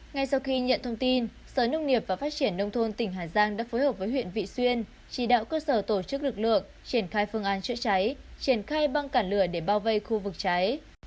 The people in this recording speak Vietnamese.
ngay sau khi nhận thông tin sở nông nghiệp và phát triển nông thôn tỉnh hà giang đã phối hợp với huyện vị xuyên chỉ đạo cơ sở tổ chức lực lượng triển khai phương án chữa cháy triển khai băng cản lửa để bao vây khu vực cháy